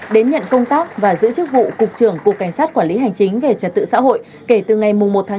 đến nhận công tác và giữ chức vụ cục trưởng cục cảnh sát quản lý hành chính về trật tự xã hội kể từ ngày một chín hai nghìn hai mươi hai